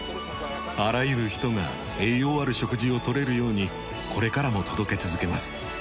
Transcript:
あらゆる人が栄養ある食事を取れるようにこれからも届け続けます。